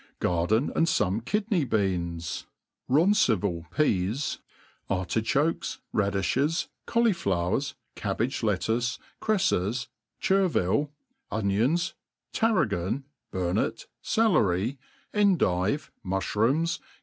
Garden and foane. kidney oWans^^roncival peas, arti chokes, radiflies, cauliflowers^ cabbage lettuce, crefles, ther vile, onions, terragon, burnet, celery, endive, mufhroomf.